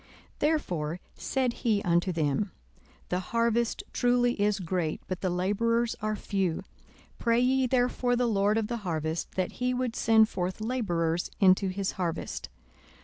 42:010:002 Therefore said he unto them, The harvest truly is great, but the labourers are few: pray ye therefore the Lord of the harvest, that he would send forth labourers into his harvest.